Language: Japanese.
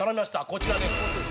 こちらです。